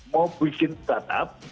mau bikin startup